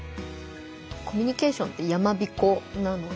コミュニケーションってやまびこなので。